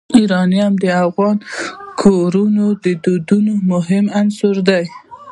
یورانیم د افغان کورنیو د دودونو مهم عنصر دی.